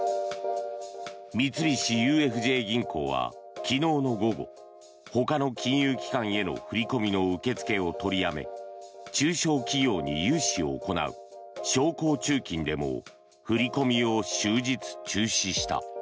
三菱ＵＦＪ銀行は昨日の午後ほかの金融機関への振り込みの受け付けを取りやめ中小企業に融資を行う商工中金でも振り込みを終日、中止した。